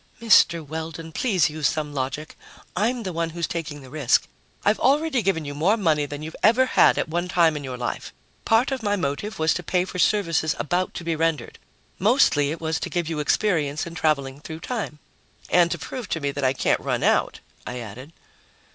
"Mr. Weldon, please use some logic. I'm the one who's taking the risk. I've already given you more money than you've ever had at one time in your life. Part of my motive was to pay for services about to be rendered. Mostly, it was to give you experience in traveling through time." "And to prove to me that I can't run out," I added.